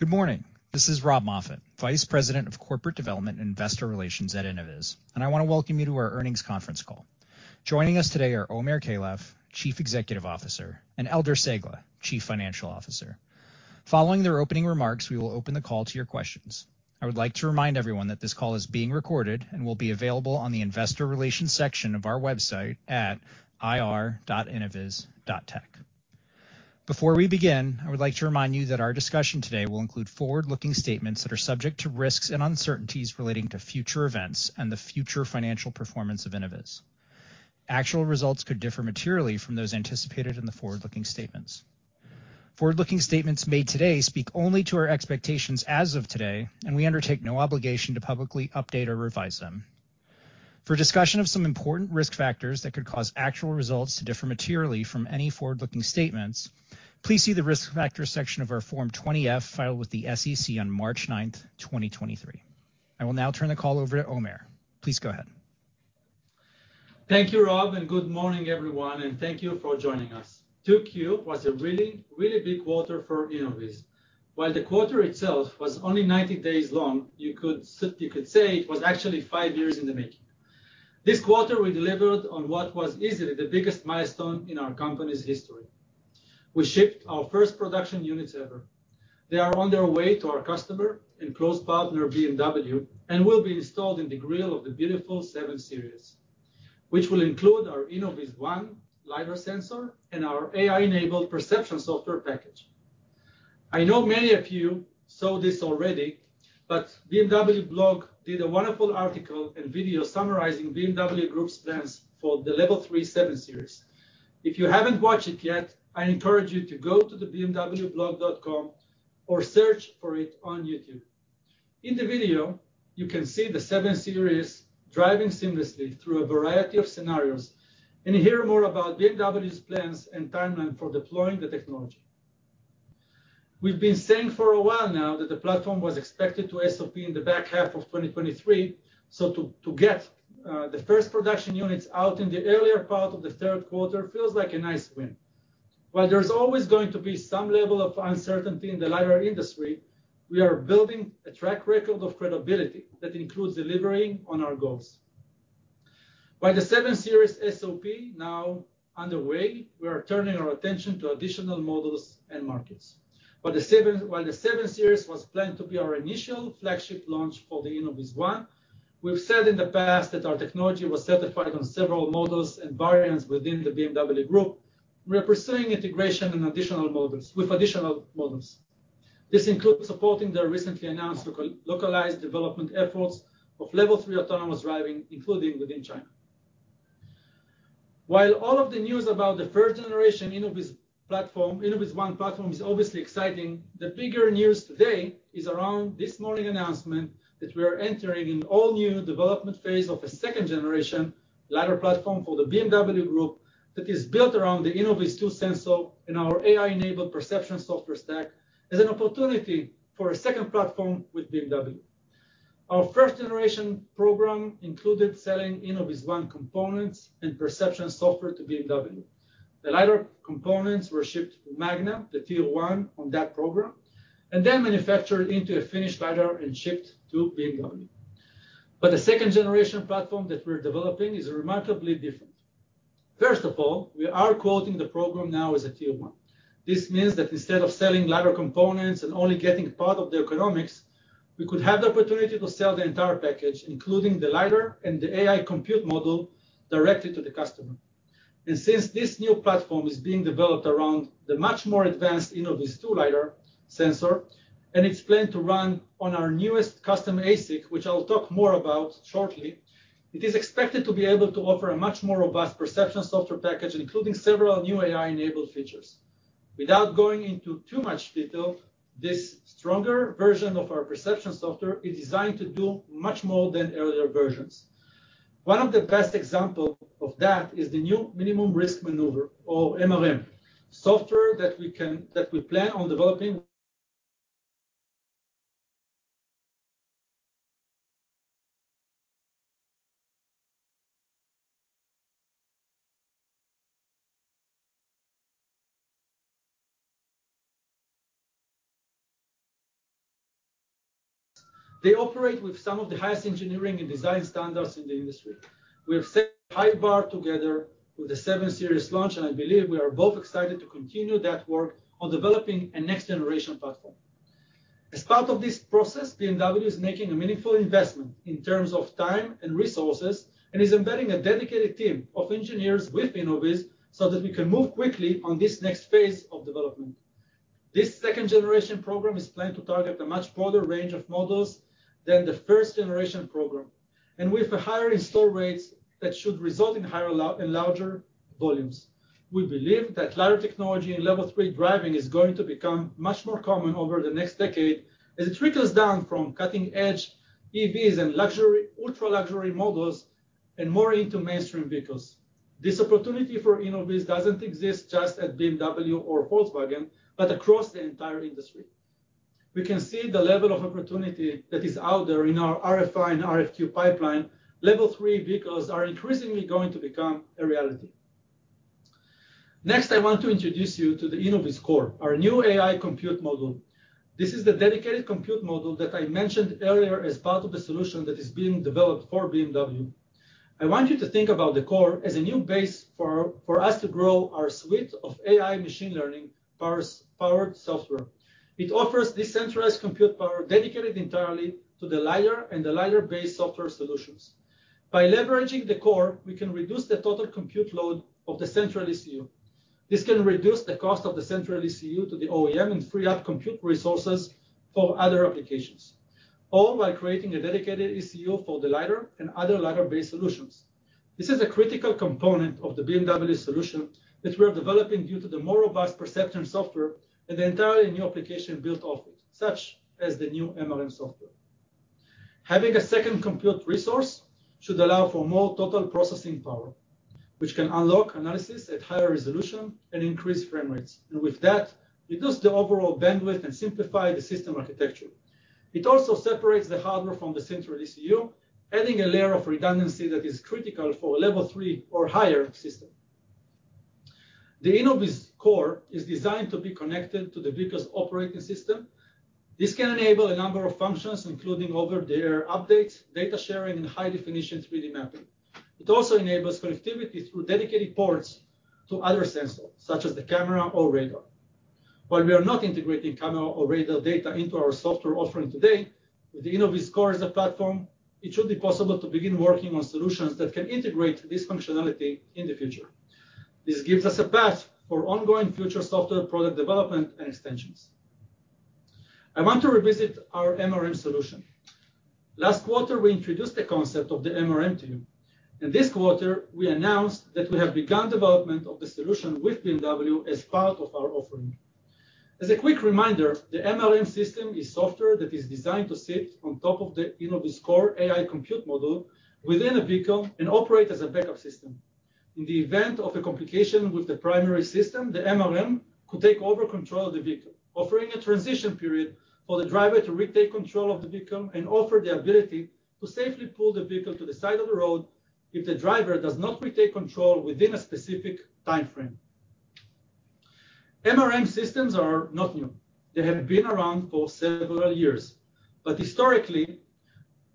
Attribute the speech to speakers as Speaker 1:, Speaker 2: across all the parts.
Speaker 1: Good morning. This is Rob Moffatt, Vice President of Corporate Development and Investor Relations at Innoviz, and I want to welcome you to our earnings conference call. Joining us today are Omer Keilaf, Chief Executive Officer, and Eldar Cegla, Chief Financial Officer. Following their opening remarks, we will open the call to your questions. I would like to remind everyone that this call is being recorded and will be available on the investor relations section of our website at ir.innoviz.tech. Before we begin, I would like to remind you that our discussion today will include forward-looking statements that are subject to risks and uncertainties relating to future events and the future financial performance of Innoviz. Actual results could differ materially from those anticipated in the forward-looking statements. Forward-looking statements made today speak only to our expectations as of today, and we undertake no obligation to publicly update or revise them. For discussion of some important risk factors that could cause actual results to differ materially from any forward-looking statements, please see the Risk Factors section of our Form 20-F filed with the SEC on March 9th, 2023. I will now turn the call over to Omer. Please go ahead.
Speaker 2: Thank you, Rob, good morning, everyone, and thank you for joining us. 2Q was a really, really big quarter for Innoviz. While the quarter itself was only 90 days long, you could say it was actually five years in the making. This quarter, we delivered on what was easily the biggest milestone in our company's history. We shipped our first production units ever. They are on their way to our customer and close partner, BMW, will be installed in the grill of the beautiful Seven Series, which will include our Innoviz One LiDAR sensor and our AI-enabled perception software package. I know many of you saw this already, BMW Blog did a wonderful article and video summarizing BMW Group's plans for the Level three Seven Series. If you haven't watched it yet, I encourage you to go to the bmwblog.com or search for it on YouTube. In the video, you can see the Seven Series driving seamlessly through a variety of scenarios and hear more about BMW's plans and timeline for deploying the technology. We've been saying for a while now that the platform was expected to SOP in the back half of 2023, so to, to get the first production units out in the earlier part of the 3rd quarter feels like a nice win. While there's always going to be some level of uncertainty in the LiDAR industry, we are building a track record of credibility that includes delivering on our goals. With the Seven Series SOP now underway, we are turning our attention to additional models and markets. The Seven Series was planned to be our initial flagship launch for the InnovizOne, we've said in the past that our technology was certified on several models and variants within the BMW Group, we are pursuing integration in additional models, with additional models. This includes supporting their recently announced local-localized development efforts of Level three autonomous driving, including within China. While all of the news about the first generation Innoviz platform, InnovizOne platform, is obviously exciting, the bigger news today is around this morning announcement that we are entering an all-new development phase of a second generation LiDAR platform for the BMW Group that is built around the InnovizTwo sensor and our AI-enabled perception software stack, as an opportunity for a second platform with BMW. Our first generation program included selling InnovizOne components and perception software to BMW. The LiDAR components were shipped to Magna, the tier one on that program, and then manufactured into a finished LiDAR and shipped to BMW. The second generation platform that we're developing is remarkably different. First of all, we are quoting the program now as a tier one. This means that instead of selling LiDAR components and only getting part of the economics, we could have the opportunity to sell the entire package, including the LiDAR and the AI compute module, directly to the customer. Since this new platform is being developed around the much more advanced InnovizTwo LiDAR sensor, and it's planned to run on our newest custom ASIC, which I'll talk more about shortly, it is expected to be able to offer a much more robust perception software package, including several new AI-enabled features. Without going into too much detail, this stronger version of our perception software is designed to do much more than earlier versions. One of the best example of that is the new Minimum Risk Maneuver, or MRM, software that we plan on developing. They operate with some of the highest engineering and design standards in the industry. We have set a high bar together with the Seven Series launch, and I believe we are both excited to continue that work on developing a next generation platform. As part of this process, BMW is making a meaningful investment in terms of time and resources, and is embedding a dedicated team of engineers with Innoviz so that we can move quickly on this next phase of development. This second generation program is planned to target a much broader range of models than the first generation program, with higher install rates that should result in higher and larger volumes. We believe that LiDAR technology and Level three driving is going to become much more common over the next decade as it trickles down from cutting-edge EVs and luxury, ultra-luxury models and more into mainstream vehicles. This opportunity for Innoviz doesn't exist just at BMW or Volkswagen, but across the entire industry. We can see the level of opportunity that is out there in our RFI and RFQ pipeline. Level three vehicles are increasingly going to become a reality. Next, I want to introduce you to the InnovizCore, our new AI compute module. This is the dedicated compute module that I mentioned earlier as part of the solution that is being developed for BMW. I want you to think about the InnovizCore as a new base for, for us to grow our suite of AI machine learning powered software. It offers decentralized compute power dedicated entirely to the LiDAR and the LiDAR-based software solutions. By leveraging the InnovizCore, we can reduce the total compute load of the central ECU. This can reduce the cost of the central ECU to the OEM and free up compute resources for other applications, all while creating a dedicated ECU for the LiDAR and other LiDAR-based solutions. This is a critical component of the BMW solution that we are developing due to the more robust perception software and the entirely new application built off it, such as the new MRM software. Having a second compute resource should allow for more total processing power, which can unlock analysis at higher resolution and increase frame rates, and with that, reduce the overall bandwidth and simplify the system architecture. It also separates the hardware from the central ECU, adding a layer of redundancy that is critical for a Level three or higher system. The InnovizCore is designed to be connected to the vehicle's operating system. This can enable a number of functions, including over-the-air updates, data sharing, and high-definition 3D mapping. It also enables connectivity through dedicated ports to other sensors, such as the camera or radar. While we are not integrating camera or radar data into our software offering today, with the InnovizCore as a platform, it should be possible to begin working on solutions that can integrate this functionality in the future. This gives us a path for ongoing future software product development and extensions. I want to revisit our MRM solution. Last quarter, we introduced the concept of the MRM to you. In this quarter, we announced that we have begun development of the solution with BMW as part of our offering. As a quick reminder, the MRM system is software that is designed to sit on top of the InnovizCore AI compute module within a vehicle and operate as a backup system. In the event of a complication with the primary system, the MRM could take over control of the vehicle, offering a transition period for the driver to retake control of the vehicle and offer the ability to safely pull the vehicle to the side of the road if the driver does not retake control within a specific time frame. MRM systems are not new. They have been around for several years, historically,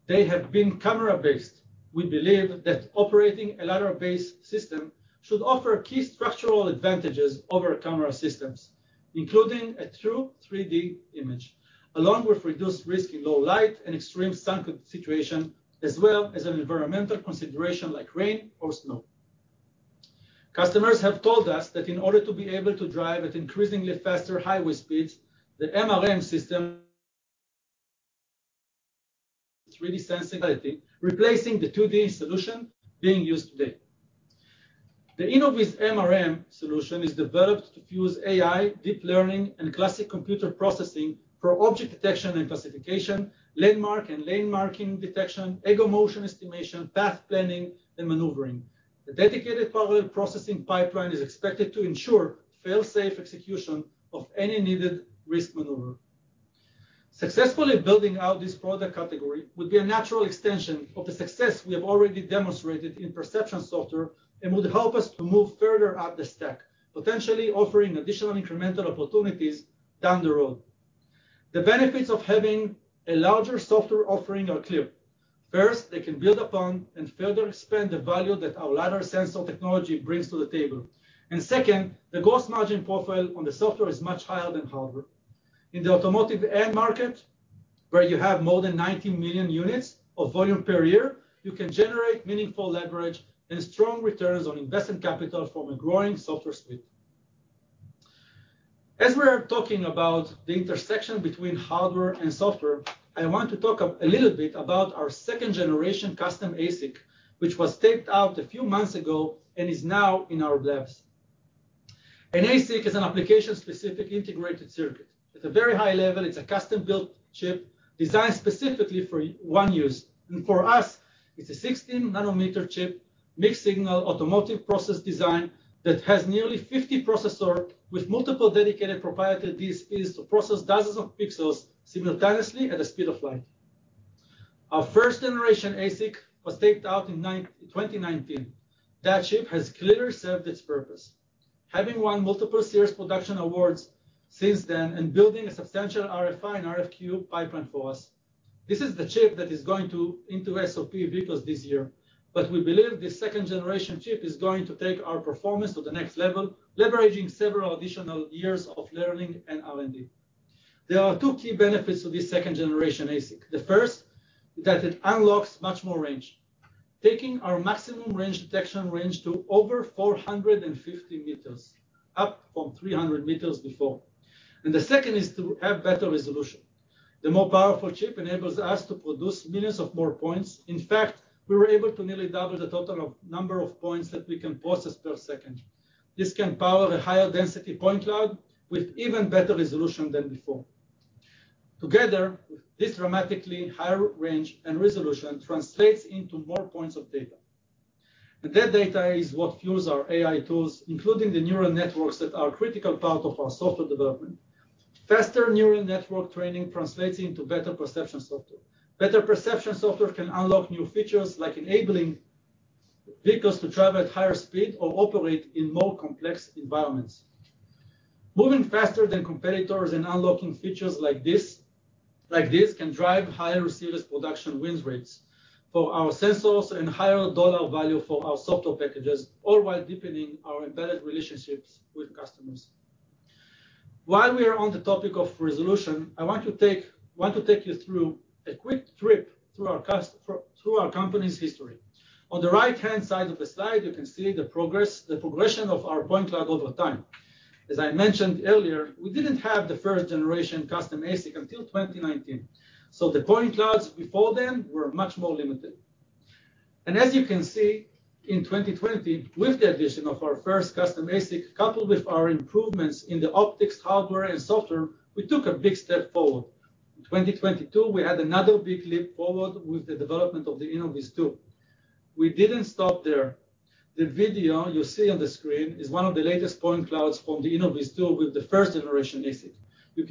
Speaker 2: they have been camera-based. We believe that operating a LiDAR-based system should offer key structural advantages over camera systems, including a true 3D image, along with reduced risk in low light and extreme sun situation, as well as an environmental consideration like rain or snow. Customers have told us that in order to be able to drive at increasingly faster highway speeds, the MRM system 3D sensitivity, replacing the 2D solution being used today. The Innoviz MRM solution is developed to fuse AI, deep learning, and classic computer processing for object detection and classification, landmark and lane marking detection, ego motion estimation, path planning, and maneuvering. The dedicated parallel processing pipeline is expected to ensure fail-safe execution of any needed risk maneuver. Successfully building out this product category would be a natural extension of the success we have already demonstrated in perception software and would help us to move further up the stack, potentially offering additional incremental opportunities down the road. The benefits of having a larger software offering are clear. First, they can build upon and further expand the value that our LiDAR sensor technology brings to the table. Second, the gross margin profile on the software is much higher than hardware. In the automotive end market, where you have more than 90 million units of volume per year, you can generate meaningful leverage and strong returns on invested capital from a growing software suite. As we are talking about the intersection between hardware and software, I want to talk a little bit about our second-generation custom ASIC, which was taped out a few months ago and is now in our labs. An ASIC is an application-specific integrated circuit. At a very high level, it's a custom-built chip designed specifically for one use, and for us, it's a 16-nanometer chip, mixed signal automotive process design that has nearly 50 processor with multiple dedicated proprietary DSPs to process dozens of pixels simultaneously at the speed of light. Our first-generation ASIC was taped out in 2019. That chip has clearly served its purpose, having won multiple serious production awards since then and building a substantial RFI and RFQ pipeline for us. This is the chip that is going to into SOP vehicles this year, but we believe this second generation chip is going to take our performance to the next level, leveraging several additional years of learning and R&D. There are two key benefits of this second generation ASIC. The first is that it unlocks much more range, taking our maximum range detection range to over 450 meters, up from 300 meters before. The second is to have better resolution. The more powerful chip enables us to produce millions of more points. In fact, we were able to nearly double the total of number of points that we can process per second. This can power a higher density point cloud with even better resolution than before. Together, this dramatically higher range and resolution translates into more points of data, and that data is what fuels our AI tools, including the neural networks that are a critical part of our software development. Faster neural network training translates into better perception software. Better perception software can unlock new features, like enabling vehicles to travel at higher speed or operate in more complex environments. Moving faster than competitors and unlocking features like this, can drive higher series production wins rates for our sensors and higher dollar value for our software packages, all while deepening our embedded relationships with customers. While we are on the topic of resolution, I want to take, want to take you through a quick trip through our company's history. On the right-hand side of the slide, you can see the progress, the progression of our point cloud over time. As I mentioned earlier, we didn't have the first generation custom ASIC until 2019, so the point clouds before then were much more limited. As you can see, in 2020, with the addition of our first custom ASIC, coupled with our improvements in the optics, hardware, and software, we took a big step forward. In 2022, we had another big leap forward with the development of the InnovizTwo. We didn't stop there. The video you see on the screen is one of the latest point clouds from the InnovizTwo with the first generation ASIC. You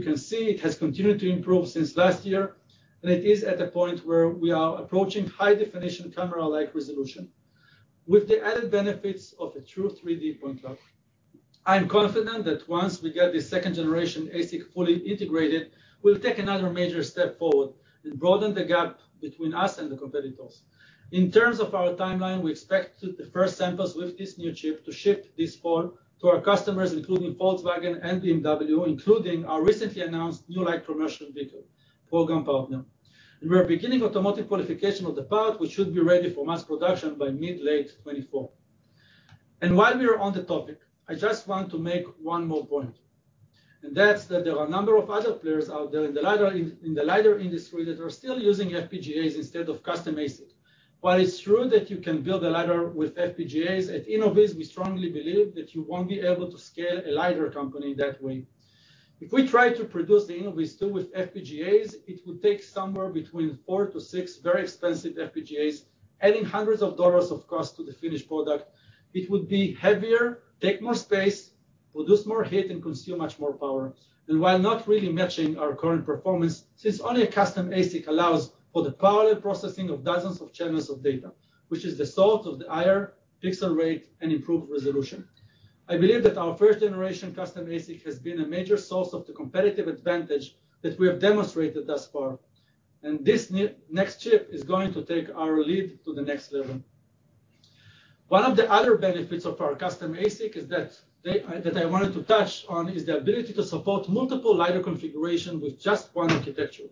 Speaker 2: can see it has continued to improve since last year, and it is at a point where we are approaching high-definition, camera-like resolution. With the added benefits of a true 3D point cloud, I am confident that once we get this second-generation ASIC fully integrated, we'll take another major step forward and broaden the gap between us and the competitors. In terms of our timeline, we expect the first samples with this new chip to ship this fall to our customers, including Volkswagen and BMW, including our recently announced New Light Commercial Vehicle program partner. We are beginning automotive qualification of the part, which should be ready for mass production by mid-late 2024. While we are on the topic, I just want to make one more point, and that's that there are a number of other players out there in the LiDAR industry that are still using FPGAs instead of custom ASIC. While it's true that you can build a LiDAR with FPGAs, at Innoviz, we strongly believe that you won't be able to scale a LiDAR company that way. If we try to produce the InnovizTwo with FPGAs, it would take somewhere between four-six very expensive FPGAs, adding hundreds of dollars of cost to the finished product. It would be heavier, take more space, produce more heat, and consume much more power, while not really matching our current performance, since only a custom ASIC allows for the parallel processing of dozens of channels of data, which is the source of the higher pixel rate and improved resolution. I believe that our first generation custom ASIC has been a major source of the competitive advantage that we have demonstrated thus far. This next chip is going to take our lead to the next level. One of the other benefits of our custom ASIC is that they, that I wanted to touch on, is the ability to support multiple LiDAR configuration with just one architecture.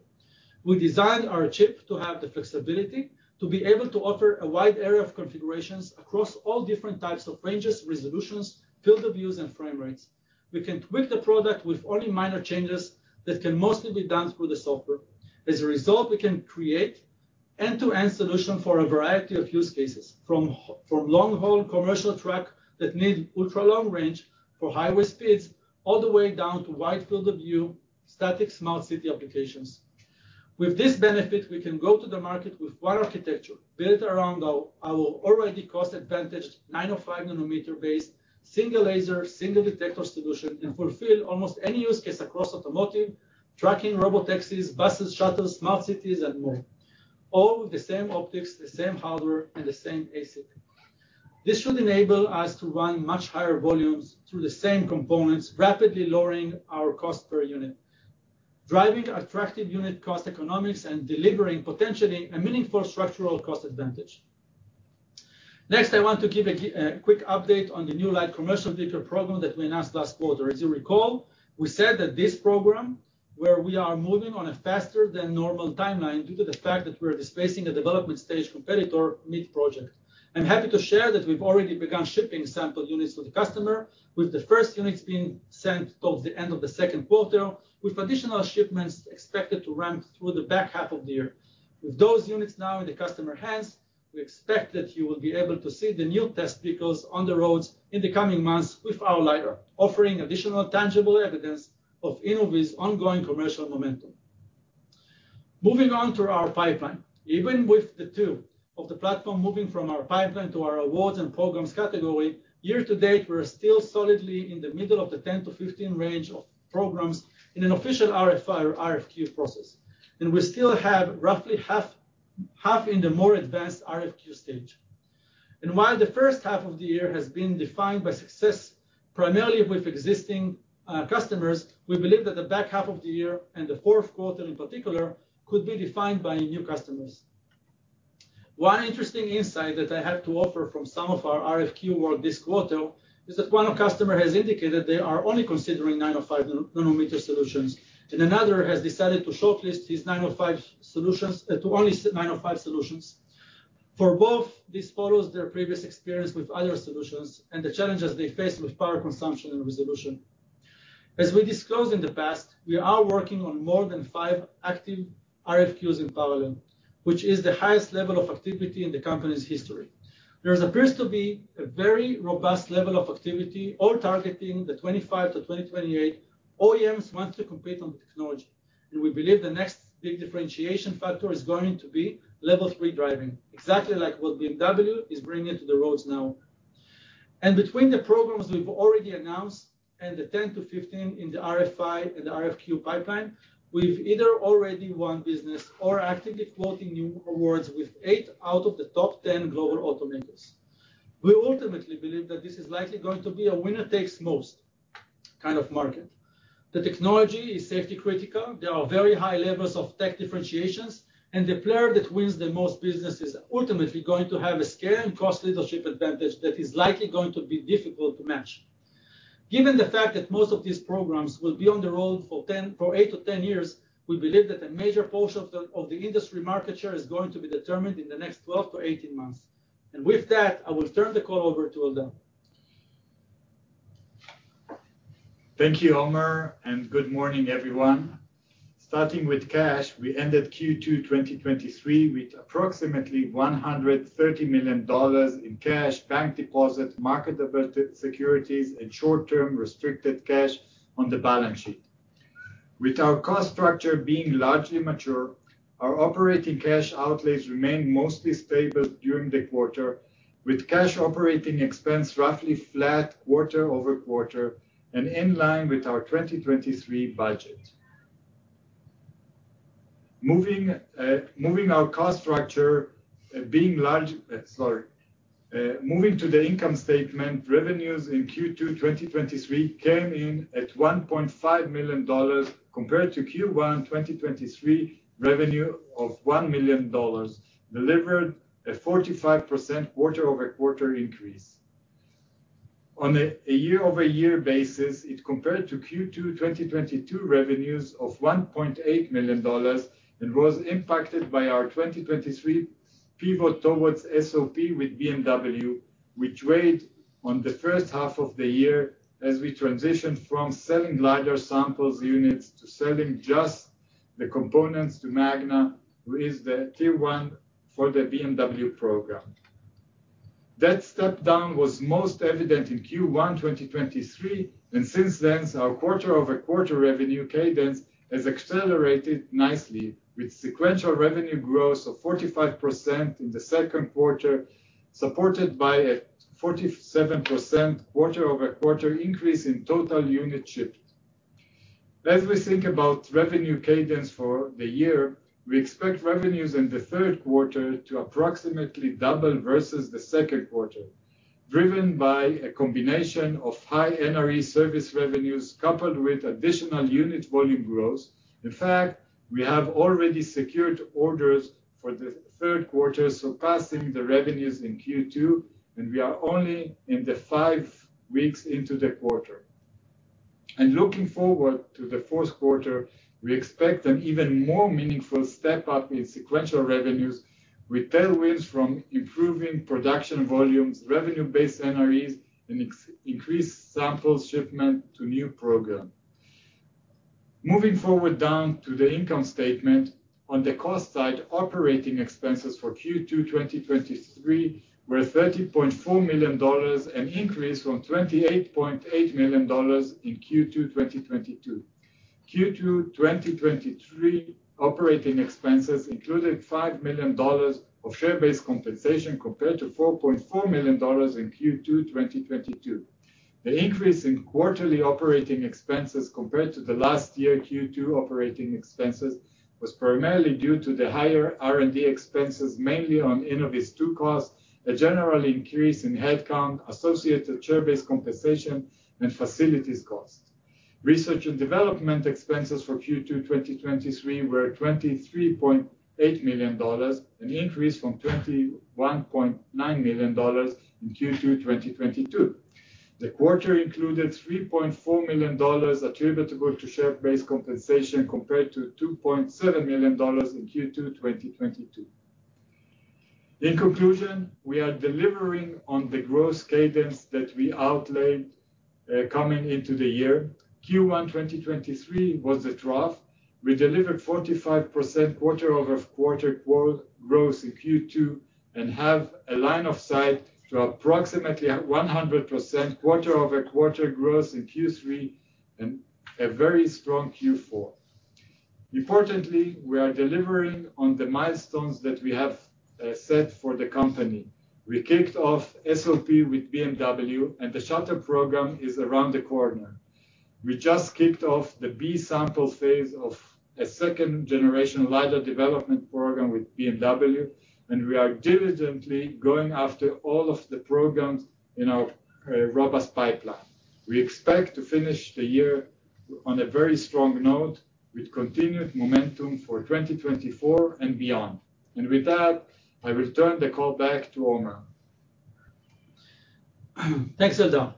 Speaker 2: We designed our chip to have the flexibility to be able to offer a wide array of configurations across all different types of ranges, resolutions, field of views, and frame rates. We can tweak the product with only minor changes that can mostly be done through the software. As a result, we can create end-to-end solution for a variety of use cases, from from long-haul commercial truck that need ultra-long range for highway speeds, all the way down to wide field of view, static smart city applications. With this benefit, we can go to the market with one architecture built around our, our already cost-advantaged 905 nanometer-based, single-laser, single-detector solution and fulfill almost any use case across automotive, trucking, robotaxis, buses, shuttles, smart cities, and more. All the same optics, the same hardware, and the same ASIC. This should enable us to run much higher volumes through the same components, rapidly lowering our cost per unit, driving attractive unit cost economics, and delivering potentially a meaningful structural cost advantage. Next, I want to give a quick update on the New Light Commercial Vehicle program that we announced last quarter. As you recall, we said that this program, where we are moving on a faster than normal timeline due to the fact that we're displacing a development stage competitor mid-project. I'm happy to share that we've already begun shipping sample units to the customer, with the first units being sent towards the end of the second quarter, with additional shipments expected to ramp through the back half of the year. With those units now in the customer hands, we expect that you will be able to see the new test vehicles on the roads in the coming months with our LiDAR, offering additional tangible evidence of Innoviz's ongoing commercial momentum. Moving on to our pipeline. Even with the two of the platform moving from our pipeline to our awards and programs category, year-to-date, we're still solidly in the middle of the 10-15 range of programs in an official RFI or RFQ process, and we still have roughly half in the more advanced RFQ stage. While the first half of the year has been defined by success, primarily with existing customers, we believe that the back half of the year, and the fourth quarter in particular, could be defined by new customers. One interesting insight that I have to offer from some of our RFQ work this quarter is that one of customer has indicated they are only considering 905 nanometer solutions, and another has decided to shortlist these 905 solutions to only 905 solutions. For both, this follows their previous experience with other solutions and the challenges they faced with power consumption and resolution. As we disclosed in the past, we are working on more than five active RFQs in parallel, which is the highest level of activity in the company's history. There appears to be a very robust level of activity, all targeting the 25 to 2028 OEMs want to compete on the technology. We believe the next big differentiation factor is going to be Level three driving, exactly like what BMW is bringing to the roads now. Between the programs we've already announced and the 10 to 15 in the RFI and RFQ pipeline, we've either already won business or are actively quoting new awards with 8 out of the top 10 global automakers. We ultimately believe that this is likely going to be a winner-takes-most kind of market. The technology is safety critical. There are very high levels of tech differentiations, and the player that wins the most business is ultimately going to have a scale and cost leadership advantage that is likely going to be difficult to match. Given the fact that most of these programs will be on the road for 8 to 10 years, we believe that a major portion of the industry market share is going to be determined in the next 12 to 18 months. With that, I will turn the call over to Eldad.
Speaker 3: Thank you, Omer, good morning, everyone. Starting with cash, we ended Q2 2023 with approximately $130 million in cash, bank deposits, marketable securities, and short-term restricted cash on the balance sheet. With our cost structure being largely mature, our operating cash outlays remained mostly stable during the quarter, with cash operating expense roughly flat quarter-over-quarter and in line with our 2023 budget. Moving to the income statement, revenues in Q2 2023 came in at $1.5 million compared to Q1 2023 revenue of $1 million, delivered a 45% quarter-over-quarter increase. On a year-over-year basis, it compared to Q2 2022 revenues of $1.8 million and was impacted by our 2023 pivot towards SOP with BMW, which weighed on the first half of the year as we transitioned from selling larger samples units to selling just the components to Magna, who is the tier one for the BMW program. That step down was most evident in Q1 2023, and since then, our quarter-over-quarter revenue cadence has accelerated nicely, with sequential revenue growth of 45% in the second quarter, supported by a 47% quarter-over-quarter increase in total unit shipments. As we think about revenue cadence for the year, we expect revenues in the third quarter to approximately double versus the second quarter, driven by a combination of high NRE service revenues coupled with additional unit volume growth. In fact, we have already secured orders for the 3rd quarter, surpassing the revenues in Q2, we are only in the 5 weeks into the quarter. Looking forward to the 4th quarter, we expect an even more meaningful step-up in sequential revenues with tailwinds from improving production volumes, revenue-based NREs, and increased sample shipment to new program. Moving forward down to the income statement, on the cost side, operating expenses for Q2 2023 were $30.4 million, an increase from $28.8 million in Q2 2022. Q2 2023 operating expenses included $5 million of share-based compensation, compared to $4.4 million in Q2 2022. The increase in quarterly operating expenses compared to the last year Q2 operating expenses was primarily due to the higher R&D expenses, mainly on InnovizTwo costs, a general increase in headcount associated to share-based compensation and facilities cost. Research and development expenses for Q2 2023 were $23.8 million, an increase from $21.9 million in Q2 2022. The quarter included $3.4 million attributable to share-based compensation, compared to $2.7 million in Q2 2022. In conclusion, we are delivering on the growth cadence that we outlined, coming into the year. Q1 2023 was a trough. We delivered 45% quarter-over-quarter growth in Q2 and have a line of sight to approximately 100% quarter-over-quarter growth in Q3 and a very strong Q4. Importantly, we are delivering on the milestones that we have set for the company. We kicked off SOP with BMW, and the shuttle program is around the corner. We just kicked off the B sample phase of a second-generation LiDAR development program with BMW, and we are diligently going after all of the programs in our robust pipeline. We expect to finish the year on a very strong note, with continued momentum for 2024 and beyond. With that, I return the call back to Omer.
Speaker 2: Thanks, Eldar.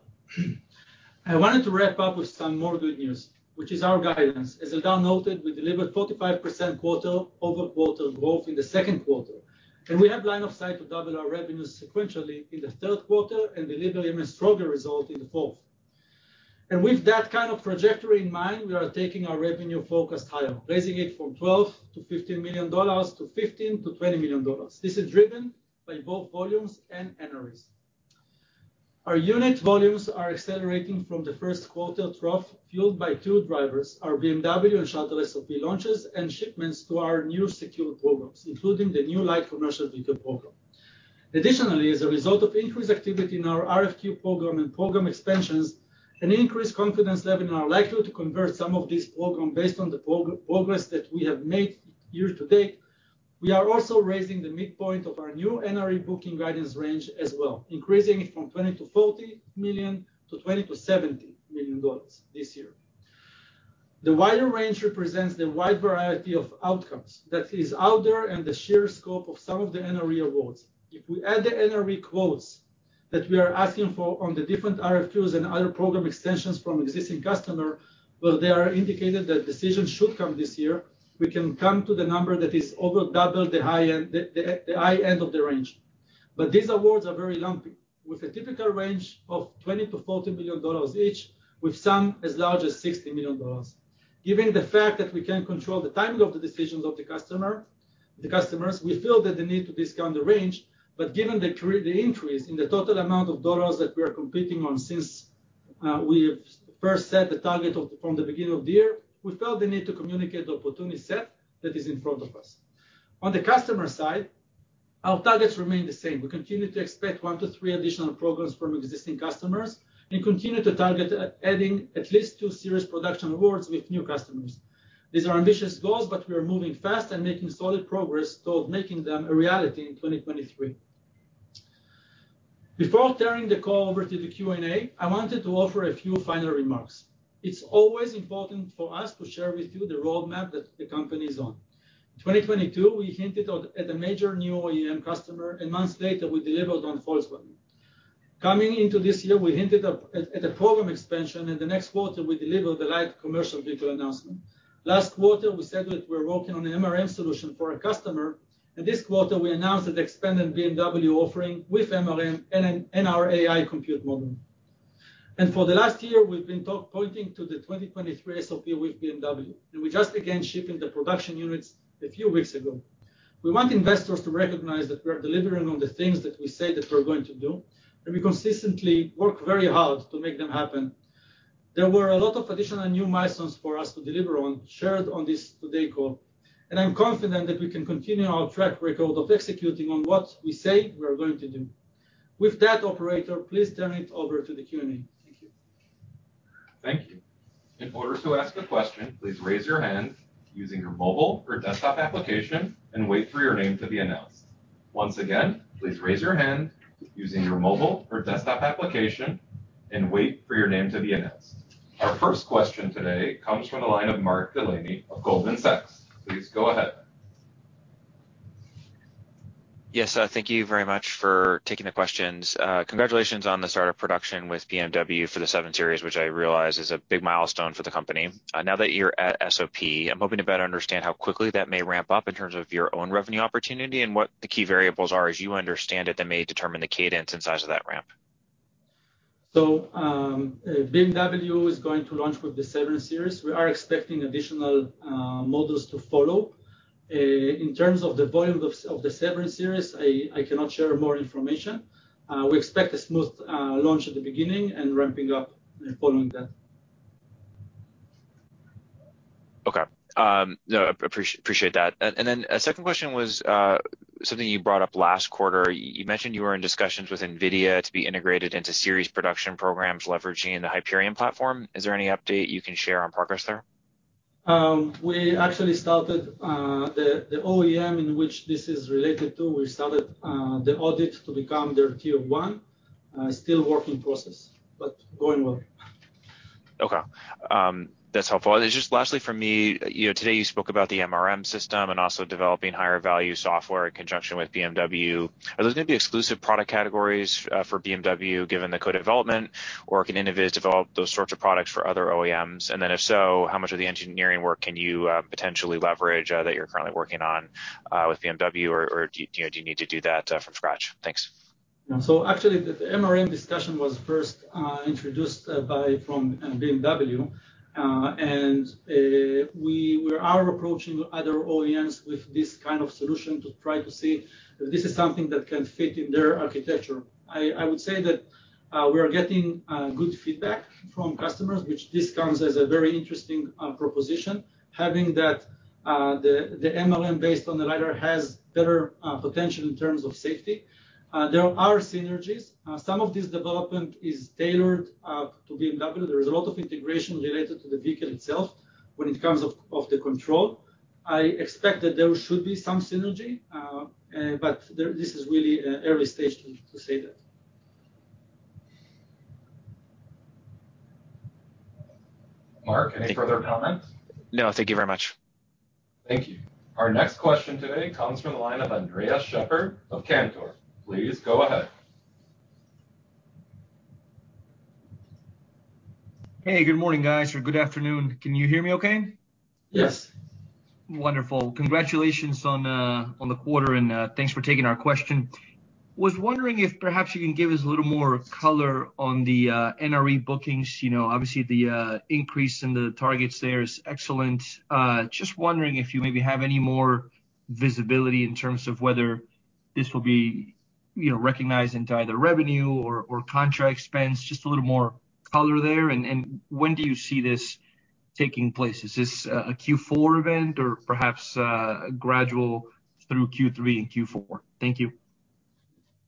Speaker 2: I wanted to wrap up with some more good news, which is our guidance. As Eldad noted, we delivered 45% quarter-over-quarter growth in the second quarter, and we have line of sight to double our revenues sequentially in the third quarter and deliver even stronger result in the fourth. With that kind of trajectory in mind, we are taking our revenue focus higher, raising it from $12 million-$15 million to $15 million-$20 million. This is driven by both volumes and NREs. Our unit volumes are accelerating from the first quarter trough, fueled by two drivers: our BMW and shuttle SOP launches and shipments to our new secured programs, including the New Light Commercial Vehicle program.... Additionally, as a result of increased activity in our RFQ program and program expansions, an increased confidence level in our likelihood to convert some of this program based on the progress that we have made year to date, we are also raising the midpoint of our new NRE booking guidance range as well, increasing it from $20 million-$40 million to $20 million-$70 million this year. The wider range represents the wide variety of outcomes that is out there and the sheer scope of some of the NRE awards. If we add the NRE quotes that we are asking for on the different RFQs and other program extensions from existing customer, well, they are indicated that decisions should come this year, we can come to the number that is over 2x the high end, the high end of the range. These awards are very lumpy, with a typical range of $20 million-$40 million each, with some as large as $60 million. Given the fact that we can't control the timing of the decisions of the customer, the customers, we feel that the need to discount the range, but given the increase in the total amount of dollars that we are competing on since we have first set the target of from the beginning of the year, we felt the need to communicate the opportunity set that is in front of us. On the customer side, our targets remain the same. We continue to expect one to 3 additional programs from existing customers and continue to target adding at least two serious production awards with new customers. These are ambitious goals, but we are moving fast and making solid progress toward making them a reality in 2023. Before turning the call over to the Q&A, I wanted to offer a few final remarks. It's always important for us to share with you the roadmap that the company is on. 2022, we hinted at a major new OEM customer, and months later, we delivered on Volkswagen. Coming into this year, we hinted at a program expansion, and the next quarter, we delivered the Light Commercial Vehicle announcement. Last quarter, we said that we're working on an MRM solution for a customer, and this quarter, we announced an expanded BMW offering with MRM and our AI compute module. For the last year, we've been pointing to the 2023 SOP with BMW. We just began shipping the production units a few weeks ago. We want investors to recognize that we are delivering on the things that we say that we're going to do. We consistently work very hard to make them happen. There were a lot of additional new milestones for us to deliver on, shared on this today call. I'm confident that we can continue our track record of executing on what we say we are going to do. With that, operator, please turn it over to the Q&A. Thank you.
Speaker 4: Thank you. In order to ask a question, please raise your hand using your mobile or desktop application and wait for your name to be announced. Once again, please raise your hand using your mobile or desktop application and wait for your name to be announced. Our first question today comes from the line of Mark Delaney of Goldman Sachs. Please go ahead.
Speaker 5: Yes, thank you very much for taking the questions. Congratulations on the start of production with BMW for the Seven Series, which I realize is a big milestone for the company. Now that you're at SOP, I'm hoping to better understand how quickly that may ramp up in terms of your own revenue opportunity and what the key variables are, as you understand it, that may determine the cadence and size of that ramp.
Speaker 2: BMW is going to launch with the Series. We are expecting additional models to follow. In terms of the volume of the Seven Series, I cannot share more information. We expect a smooth launch at the beginning and ramping up following that.
Speaker 5: Okay. No, appreciate that. And then a second question was, something you brought up last quarter. You mentioned you were in discussions with NVIDIA to be integrated into series production programs, leveraging the Hyperion platform. Is there any update you can share on progress there?
Speaker 2: we actually started, the, the OEM in which this is related to, we started, the audit to become their tier one. still work in process, but going well.
Speaker 5: Okay. That's helpful. Just lastly from me, you know, today you spoke about the MRM system and also developing higher value software in conjunction with BMW. Are those going to be exclusive product categories for BMW, given the co-development, or can NVIDIA develop those sorts of products for other OEMs? Then, if so, how much of the engineering work can you potentially leverage that you're currently working on with BMW, or, or do you, do you need to do that from scratch? Thanks.
Speaker 2: Actually, the MRM discussion was first introduced by from BMW, and we are approaching other OEMs with this kind of solution to try to see if this is something that can fit in their architecture. I, I would say that we are getting good feedback from customers, which this comes as a very interesting proposition, having that the MRM based on the LiDAR has better potential in terms of safety. There are synergies. Some of this development is tailored to BMW. There is a lot of integration related to the vehicle itself when it comes of, of the control. I expect that there should be some synergy, but there this is really an early stage to, to say that.
Speaker 1: Mark, any further comments?
Speaker 5: No. Thank you very much.
Speaker 4: Thank you. Our next question today comes from the line of Andres Sheppard of Cantor. Please go ahead.
Speaker 6: Hey, good morning, guys, or good afternoon. Can you hear me okay?
Speaker 2: Yes.
Speaker 6: Wonderful. Congratulations on the quarter, and thanks for taking our question. Was wondering if perhaps you can give us a little more color on the NRE bookings. You know, obviously, the increase in the targets there is excellent. Just wondering if you maybe have any more visibility in terms of whether this will be, you know, recognized into either revenue or contract expense, just a little more color there. When do you see this taking place? Is this a Q4 event or perhaps a gradual through Q3 and Q4? Thank you.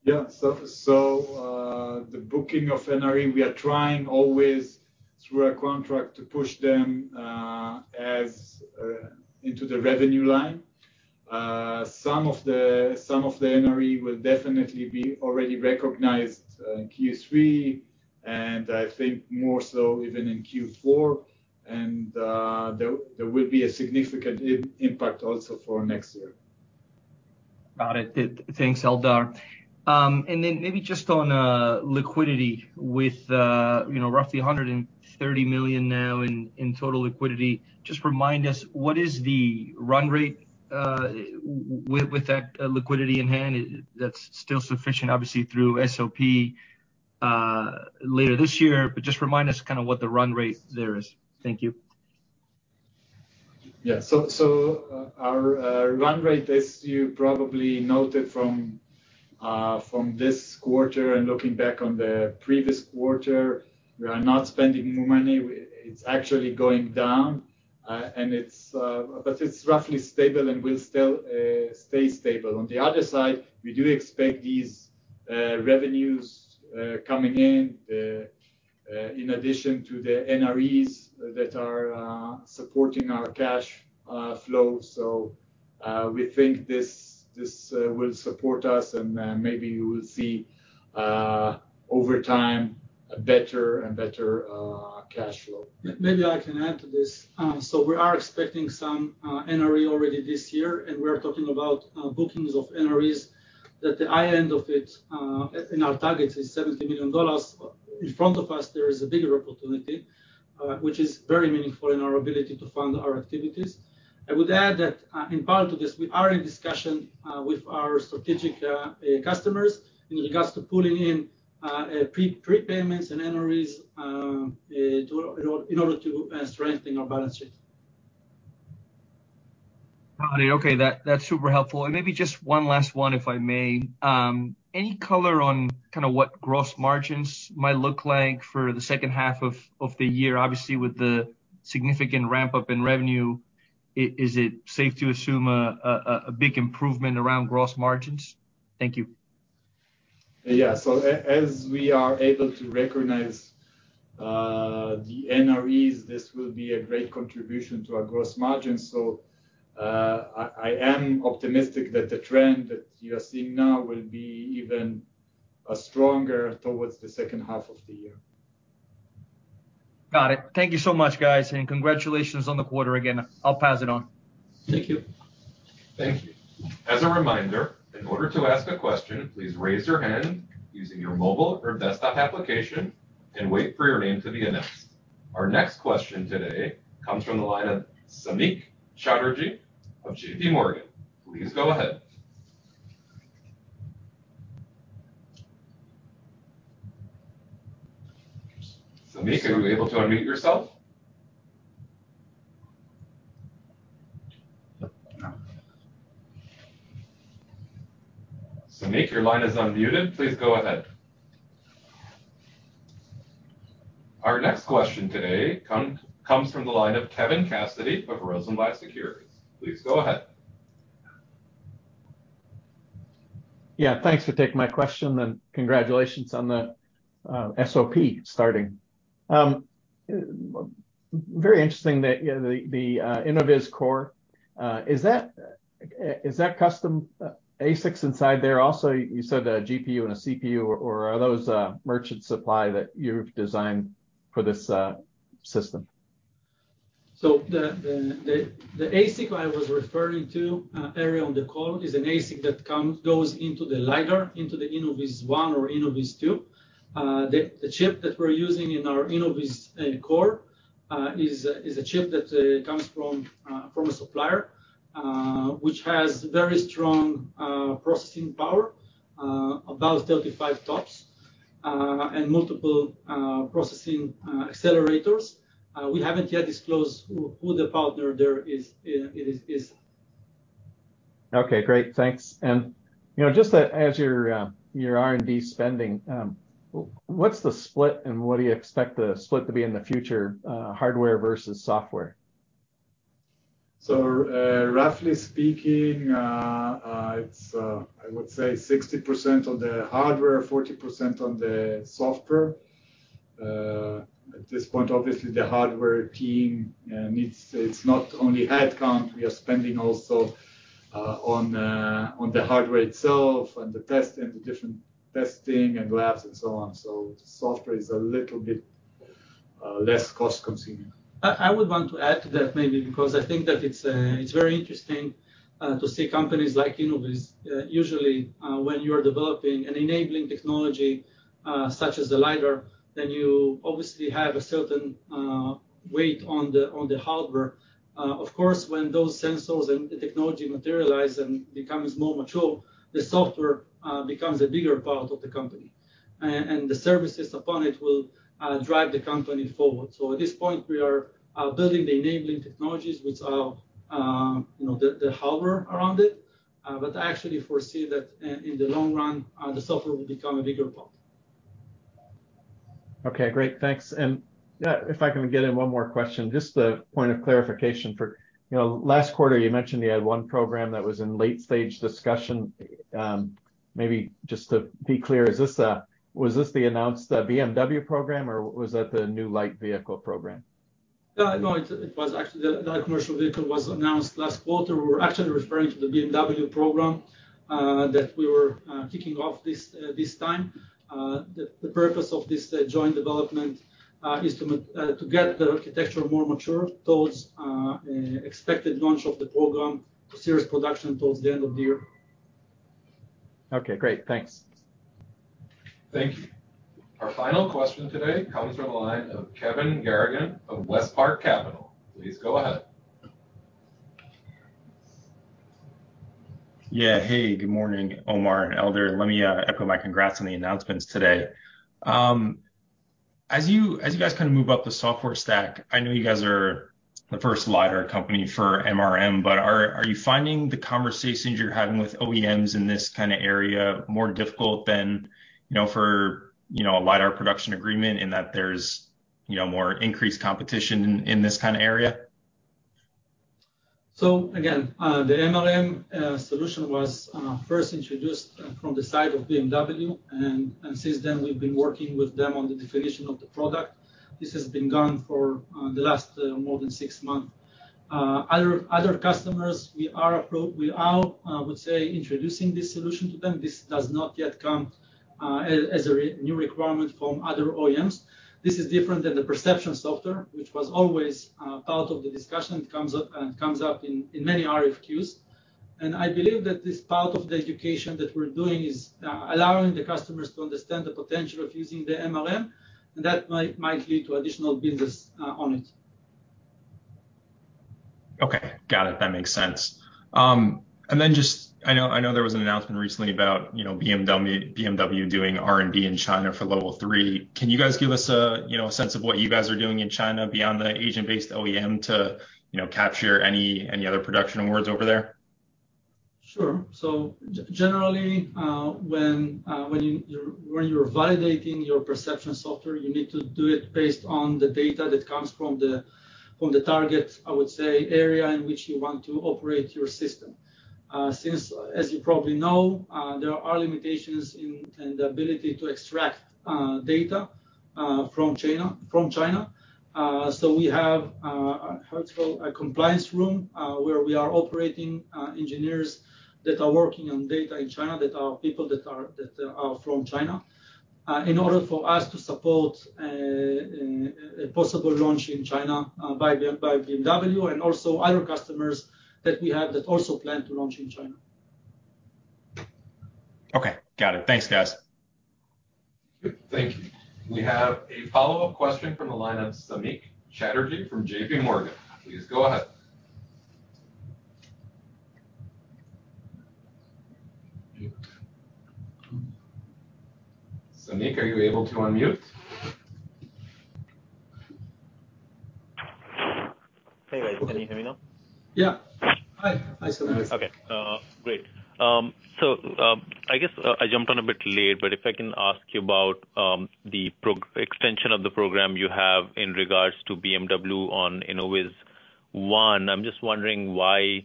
Speaker 3: Yeah. So, the booking of NRE, we are trying always through a contract to push them as into the revenue line. Some of the, some of the NRE will definitely be already recognized in Q3, and I think more so even in Q4. There, there will be a significant impact also for next year.
Speaker 6: Got it. Thanks, Eldar. Maybe just on liquidity with, you know, roughly $130 million now in total liquidity, just remind us, what is the run rate with, with that liquidity in hand? That's still sufficient, obviously, through SOP later this year, but just remind us kind of what the run rate there is. Thank you.
Speaker 3: Yeah. Our run rate, as you probably noted from this quarter and looking back on the previous quarter, we are not spending more money. W- it's actually going down, and it's but it's roughly stable and will still stay stable. On the other side, we do expect these revenues coming in in addition to the NREs that are supporting our cash flow. We think this, this will support us, and maybe you will see over time, a better and better cash flow.
Speaker 2: Maybe I can add to this. So we are expecting some NRE already this year, and we are talking about bookings of NREs that the high end of it, in our targets, is $70 million. In front of us, there is a bigger opportunity, which is very meaningful in our ability to fund our activities. I would add that, in part to this, we are in discussion with our strategic customers in regards to pulling in prepayments and NREs in order to strengthen our balance sheet.
Speaker 6: Got it. Okay, that, that's super helpful. Maybe just one last one, if I may. Any color on kinda what gross margins might look like for the second half of the year? Obviously, with the significant ramp-up in revenue, is it safe to assume a big improvement around gross margins? Thank you.
Speaker 3: Yeah. As we are able to recognize the NREs, this will be a great contribution to our gross margin. I am optimistic that the trend that you are seeing now will be even stronger towards the second half of the year.
Speaker 6: Got it. Thank you so much, guys, and congratulations on the quarter again. I'll pass it on.
Speaker 2: Thank you.
Speaker 3: Thank you.
Speaker 4: As a reminder, in order to ask a question, please raise your hand using your mobile or desktop application and wait for your name to be announced. Our next question today comes from the line of Samik Chatterjee of JPMorgan. Please go ahead. Samik, are you able to unmute yourself? Samik, your line is unmuted. Please go ahead. Our next question today comes from the line of Kevin Cassidy of Rosenblatt Securities. Please go ahead.
Speaker 7: Yeah. Thanks for taking my question, and congratulations on the SOP starting. Very interesting that, you know, the, the InnovizCore, is that, is that custom ASICs inside there also, you said a GPU and a CPU, or are those merchant supply that you've designed for this system?
Speaker 2: The ASIC I was referring to earlier on the call is an ASIC that goes into the LiDAR, into the InnovizOne or InnovizTwo. The chip that we're using in our InnovizCore is a chip that comes from from a supplier which has very strong processing power about 35 TOPS and multiple processing accelerators. We haven't yet disclosed who the partner there is, it is.
Speaker 7: Okay, great. Thanks. You know, just as your, your R&D spending, what's the split, and what do you expect the split to be in the future, hardware versus software?
Speaker 3: Roughly speaking, it's, I would say 60% on the hardware, 40% on the software. At this point, obviously, the hardware team needs. It's not only headcount, we are spending also on the hardware itself and the test and the different testing and labs and so on. Software is a little bit less cost-consuming.
Speaker 2: I, I would want to add to that maybe because I think that it's, it's very interesting, to see companies like Innoviz. Usually, when you are developing an enabling technology, such as the LiDAR, then you obviously have a certain, weight on the, on the hardware. Of course, when those sensors and the technology materialize and becomes more mature, the software, becomes a bigger part of the company, and the services upon it will, drive the company forward. At this point, we are, building the enabling technologies, which are, you know, the, the hardware around it. I actually foresee that in the long run, the software will become a bigger part.
Speaker 7: Okay, great. Thanks. If I can get in one more question, just a point of clarification for, you know, last quarter you mentioned you had 1 program that was in late stage discussion. Maybe just to be clear, is this, was this the announced BMW program or was that the New Light Vehicle program?
Speaker 2: No, it, it was actually the Light Commercial Vehicle program was announced last quarter. We were actually referring to the BMW program that we were kicking off this this time. The, the purpose of this joint development is to get the architecture more mature towards expected launch of the program, series production towards the end of the year.
Speaker 7: Okay, great. Thanks.
Speaker 4: Thank you. Our final question today comes from the line of Kevin Garrigan of WestPark Capital. Please go ahead.
Speaker 8: Yeah. Hey, good morning, Omer and Eldar. Let me echo my congrats on the announcements today. As you, as you guys kind of move up the software stack, I know you guys are the first LiDAR company for MRM, but are, are you finding the conversations you're having with OEMs in this kind of area more difficult than, you know, for, you know, a LiDAR production agreement in that there's, you know, more increased competition in, in this kind of area?
Speaker 2: Again, the MRM solution was first introduced from the side of BMW, and since then, we've been working with them on the definition of the product. This has been gone for the last more than six months. Other, other customers, we are introducing this solution to them. This does not yet come as a new requirement from other OEMs. This is different than the perception software, which was always part of the discussion. It comes up, it comes up in many RFQs. I believe that this part of the education that we're doing is allowing the customers to understand the potential of using the MRM, and that might, might lead to additional business on it.
Speaker 8: Okay. Got it. That makes sense. Then just I know, I know there was an announcement recently about, you know, BMW, BMW doing R&D in China for Level three. Can you guys give us a, you know, a sense of what you guys are doing in China beyond the Asian-based OEM to, you know, capture any, any other production awards over there?
Speaker 2: Sure. Generally, when you're validating your perception software, you need to do it based on the data that comes from the, from the target, I would say, area in which you want to operate your system. Since, as you probably know, there are limitations in the ability to extract data from China. We have, how it's called, a compliance room, where we are operating engineers that are working on data in China, that are from China, in order for us to support a possible launch in China by BMW and also other customers that we have that also plan to launch in China.
Speaker 8: Okay. Got it. Thanks, guys.
Speaker 4: Thank you. We have a follow-up question from the line of Samik Chatterjee from JP Morgan. Please go ahead. Samik, are you able to unmute?
Speaker 9: Hey, guys, can you hear me now?
Speaker 2: Yeah. Hi. Hi, Samik.
Speaker 9: Okay, great. I guess I jumped on a bit late, but if I can ask you about the extension of the program you have in regards to BMW on Innoviz One. I'm just wondering why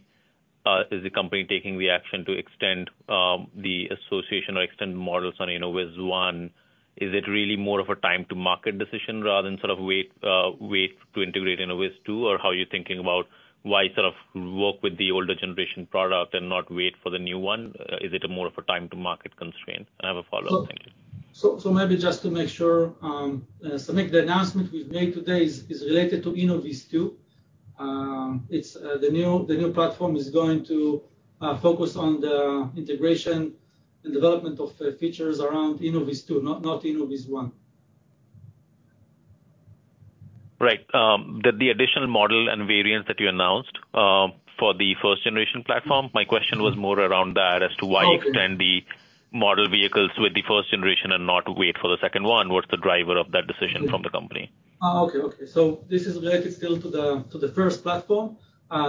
Speaker 9: is the company taking the action to extend the association or extend models on Innoviz One? Is it really more of a time to market decision rather than sort of wait to integrate Innoviz Two? How are you thinking about why sort of work with the older generation product and not wait for the new one? Is it a more of a time to market constraint? I have a follow-up. Thank you.
Speaker 2: So maybe just to make sure, Samik, the announcement we've made today is related to InnovizTwo. It's, the new platform is going to focus on the integration and development of features around InnovizTwo, not InnovizOne.
Speaker 9: Right. the, the additional model and variants that you announced, for the first generation platform. My question was more around that as to why-
Speaker 2: Oh, okay.
Speaker 9: you extend the model vehicles with the first generation and not wait for the second one. What's the driver of that decision from the company?
Speaker 2: okay, okay. This is related still to the, to the first platform.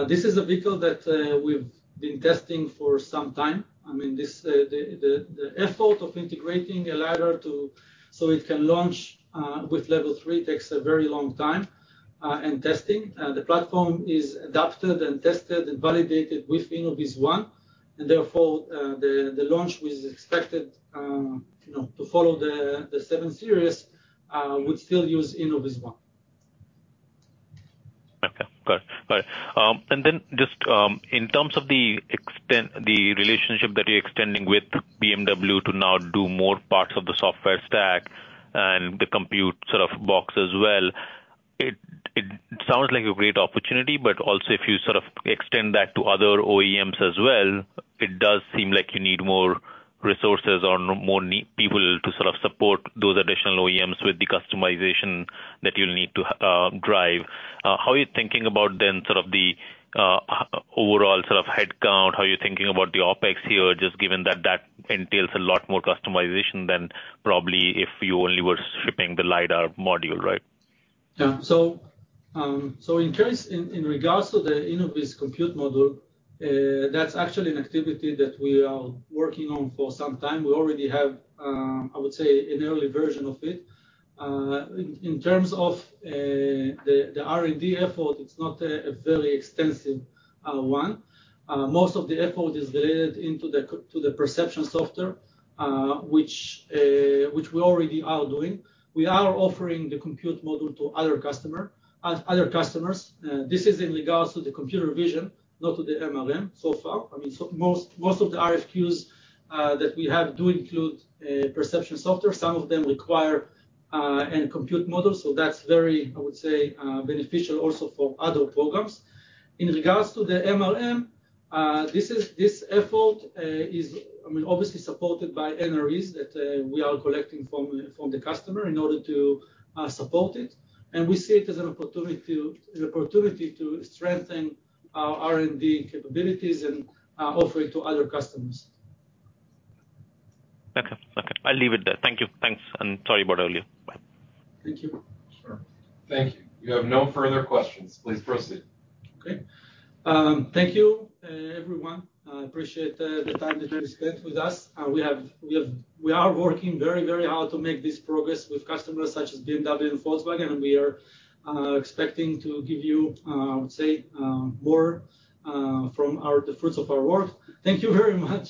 Speaker 2: This is a vehicle that we've been testing for some time. I mean, this, the, the, the effort of integrating a LiDAR to so it can launch with Level three takes a very long time and testing. The platform is adapted and tested and validated with Innoviz One, and therefore, the, the launch, which is expected, you know, to follow the, the Seven Series, would still use Innoviz One.
Speaker 9: Okay, got it. Then just, in terms of the extent the relationship that you're extending with BMW to now do more parts of the software stack and the compute sort of box as well, it sounds like a great opportunity, but also, if you sort of extend that to other OEMs as well, it does seem like you need more resources or more people to sort of support those additional OEMs with the customization that you'll need to drive. How are you thinking about then, sort of the overall sort of headcount? How are you thinking about the OpEx here, just given that that entails a lot more customization than probably if you only were shipping the LiDAR module, right?
Speaker 2: Yeah. So, so in terms, in, in regards to the Innoviz compute module, that's actually an activity that we are working on for some time. We already have, I would say, an early version of it. In, in terms of the R&D effort, it's not a very extensive one. Most of the effort is related into the co- to the perception software, which we already are doing. We are offering the compute module to other customer, other customers. This is in regards to the computer vision, not to the MRM so far. I mean, so most, most of the RFQs that we have do include perception software. Some of them require and compute modules, so that's very, I would say, beneficial also for other programs. In regards to the MRM, this is, this effort, is, I mean, obviously supported by NREs that we are collecting from, from the customer in order to support it, and we see it as an opportunity to, as an opportunity to strengthen our R&D capabilities and offer it to other customers.
Speaker 9: Okay. Okay, I'll leave it there. Thank you. Thanks, and sorry about earlier. Bye.
Speaker 2: Thank you.
Speaker 4: Sure. Thank you. We have no further questions. Please proceed.
Speaker 2: Okay. Thank you, everyone. I appreciate the time that you spent with us. We are working very, very hard to make this progress with customers such as BMW and Volkswagen. We are expecting to give you, I would say, more from our, the fruits of our work. Thank you very much.